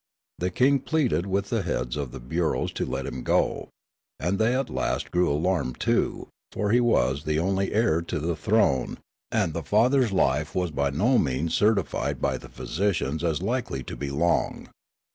The king pleaded with the heads of the bureaus to let him go ; and they at last grew alarmed too, for he was the only heir to the throne, and the father's life I20 Riallaro was by no means certified by the physicians as likely to be long.